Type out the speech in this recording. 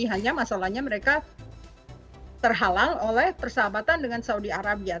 hanya masalahnya mereka terhalang oleh persahabatan dengan saudi arabia